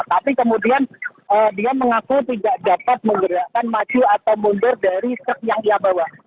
tapi kemudian dia mengaku tidak dapat menggerakkan maju atau mundur dari truk yang ia bawa